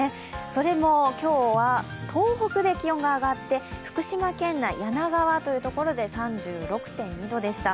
それも今日は東北で気温が上がって福島県内、梁川で３６．２度でした。